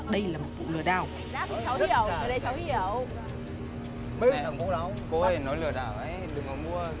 đây là một vụ lừa đảo